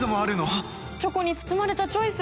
チョコに包まれたチョイス